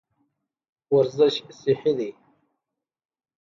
ورزش صحي دی.